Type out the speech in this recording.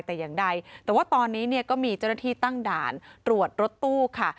แต่ว่าตอนนี้ก็มีเจ้าหน้าที่ตั้งด่านตรวจรถตู้ค่ะ